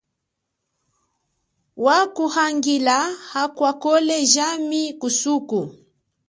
Wakuhangila akwa khole jami kusuku.